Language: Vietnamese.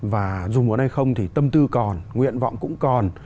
và dù muốn hay không thì tâm tư còn nguyện vọng cũng còn